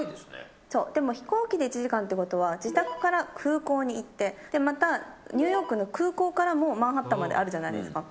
でも、飛行機で１時間ってことは自宅から空港に行ってまた、ニューヨークの空港からもマンハッタンまであるじゃないですか。